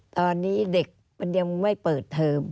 ตอนนี้เด็กมันยังไม่เปิดเทอม